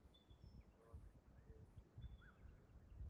Son, pues, difíciles de leer.